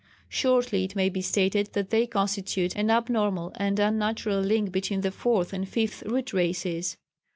Shortly it may be stated that they constitute an abnormal and unnatural link between the Fourth and Fifth Root Races.